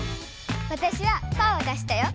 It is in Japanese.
わたしはパーを出したよ。